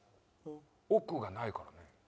奥がないからね。